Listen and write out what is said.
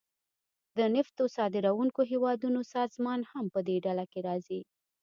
د نفتو صادرونکو هیوادونو سازمان هم پدې ډله کې راځي